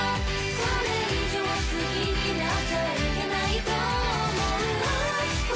これ以上好きになっちゃいけないと思うああ